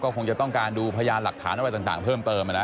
คงจะต้องการดูพยานหลักฐานอะไรต่างเพิ่มเติม